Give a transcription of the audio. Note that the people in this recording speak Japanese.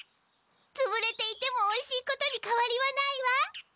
つぶれていてもおいしいことにかわりはないわ。